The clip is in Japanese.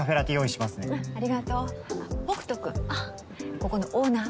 ここのオーナー。